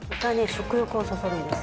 食欲をそそるんです。